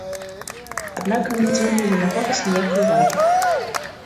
Аднак мы не звярнулі на пафас ніякай увагі.